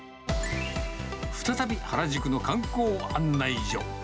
再び原宿の観光案内所。